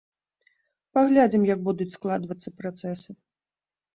Паглядзім, як будуць складвацца працэсы.